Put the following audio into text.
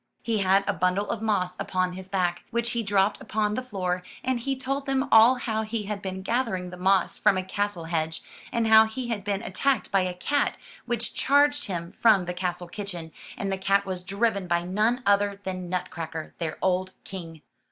He had a bundle of moss upon his back, which he dropped upon the floor, and he told them all how he had been gathering the moss from a castle hedge, and how he had been attacked by a cat which charged him from the castle kitchen, and the cat was driven by none other than Nutcracker, their old king.